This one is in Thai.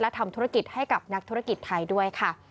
ทำธุรกิจให้กับนักธุรกิจไทยด้วยค่ะ